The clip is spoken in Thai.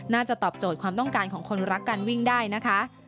ตอบโจทย์ความต้องการของคนรักการวิ่งได้นะคะ